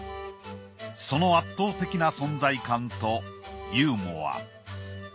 その圧倒的な存在感とユーモア。